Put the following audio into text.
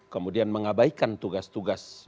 kemudian mengabaikan tugas tugas